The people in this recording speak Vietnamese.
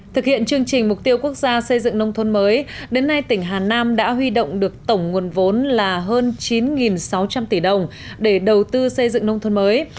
thực hiện chương trình mục tiêu quốc gia xây dựng nông thôn mới đến nay tỉnh hà nam đã huy động được tổng nguồn vốn là hơn chín sáu trăm linh tỷ đồng để đầu tư xây dựng nông thôn mới